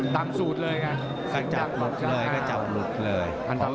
ถึงจากลุกลุกเลย